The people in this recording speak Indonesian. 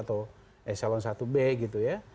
atau eselon ib gitu ya